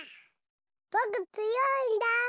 ぼくつよいんだ！